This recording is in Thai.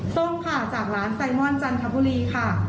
ส้มค่ะจากร้านไซมอนจันทบุรีค่ะ